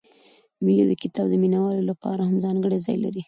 مېلې د کتاب د مینه والو له پاره هم ځانګړى ځای لري.